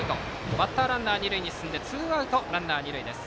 バッターランナーが二塁に進んでツーアウトランナー、二塁です。